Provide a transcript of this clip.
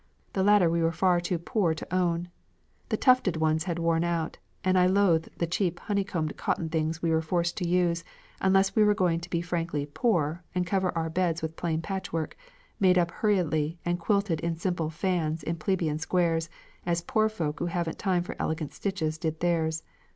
The latter we were far too poor to own; the 'tufted' ones had worn out; and I loathed the cheap 'honeycombed' cotton things we were forced to use unless we were going to be frankly 'poor' and cover our beds with plain patchwork, made up hurriedly and quilted in simple 'fans' in plebeian squares, as poor folk who haven't time for elegant stitches did theirs.